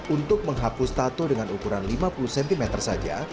untuk menghapus tato dengan ukuran lima puluh cm saja